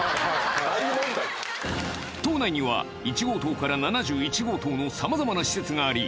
島内には１号棟から７１号棟のさまざまな施設があり